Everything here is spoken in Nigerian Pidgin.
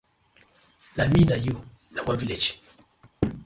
Na mi na yu na one village.